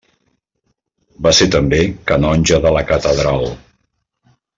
Va ser també canonge de la Catedral.